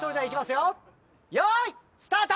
よいスタート！